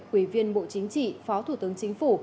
quỷ viên bộ chính trị phó thủ tướng chính phủ